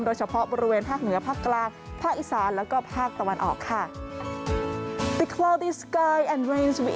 โดยเฉพาะบริเวณภาคเหนือภาคกลาง